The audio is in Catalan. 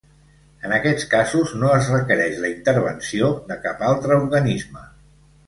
En aquests casos no es requereix la intervenció de cap altre organisme.